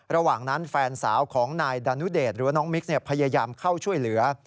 ระหว่างนั้นแฟนสาวของนายดานุเดชหรือว่าน้องมิกพยายามเข้าช่วยเหลือ